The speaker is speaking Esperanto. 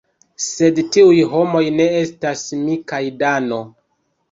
Sed tiuj homoj ne estas mi kaj Dano.